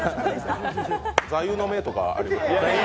座右の銘とかありますか？